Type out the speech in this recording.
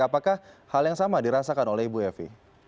apakah hal yang sama dirasakan oleh ibu evi